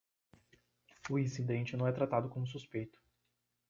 O incidente não é tratado como suspeito.